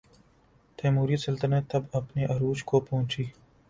تیموری سلطنت تب اپنے عروج کو پہنچی۔